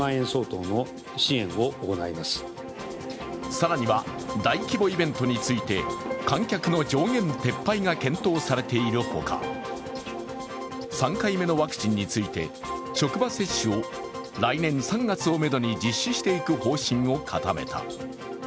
更には、大規模イベントについて観客の上限撤廃が検討されているほか、３回目のワクチンについて職場接種を来年３月をめどに実施していく方針を固めた。